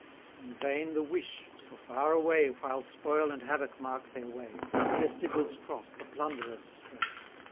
In vain the wish for far away, While spoil and havoc mark their way, Near Sybil's Cross the plunderers stray.